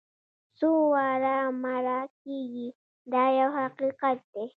څو واره مړه کېږي دا یو حقیقت دی.